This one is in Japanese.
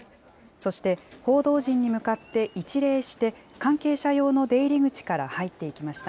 そして報道陣に向かって一礼して、関係者用の出入り口から入っていきました。